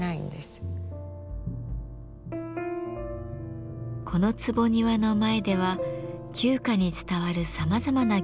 この坪庭の前では旧家に伝わるさまざまな行事も行われます。